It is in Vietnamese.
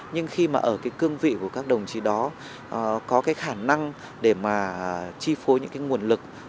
nhưng khi mà ở cái cương vị của các đồng chí đó có cái khả năng để mà chi phối những cái nguồn lực